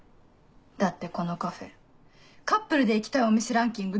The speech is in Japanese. だってこのカフェカップルで行きたいお店ランキング